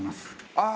ああ。